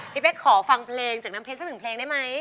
พี่เป๊กขอฟังเพลงจากน้ำเพชรสักหนึ่งเพลงได้ไหม